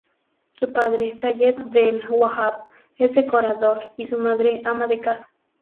Su padre, Sayed Abdel-Wahab, es decorador, y su madre, ama de casa.